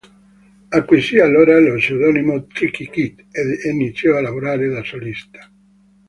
Acquisì allora lo pseudonimo "Tricky Kid" ed iniziò a lavorare da solista.